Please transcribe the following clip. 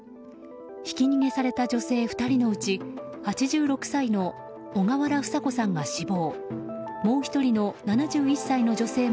ひき逃げされた女性２人のうち８６歳の小河原房子さんが死亡。